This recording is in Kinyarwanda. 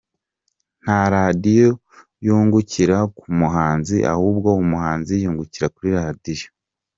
Nta radio yungukira ku muhanzi, ahubwo umuhanzi yungukira kuri radio.